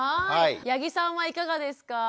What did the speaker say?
八木さんはいかがですか？